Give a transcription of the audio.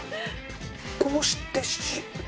こうして。